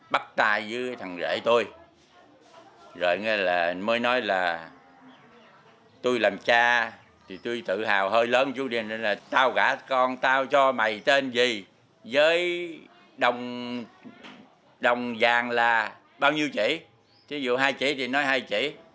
bao nhiêu chỉ thí dụ hai chỉ thì nói hai chỉ